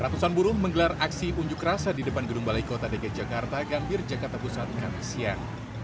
ratusan buruh menggelar aksi unjuk rasa di depan gedung balai kota dki jakarta gambir jakarta pusat kamis siang